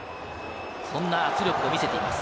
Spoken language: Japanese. そんな圧力を見せています。